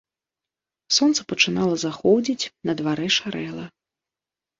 Сонца пачынала заходзіць, на дварэ шарэла.